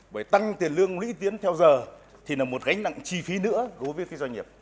bởi tăng tiền lương lũy tiến theo giờ thì là một gánh nặng chi phí nữa đối với doanh nghiệp